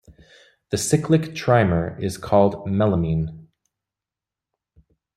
The cyclic trimer is called melamine.